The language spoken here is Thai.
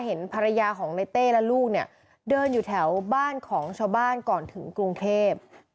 เห็นภรรยาของในเต้และลูกเนี่ยเดินอยู่แถวบ้านของชาวบ้านก่อนถึงกรุงเทพ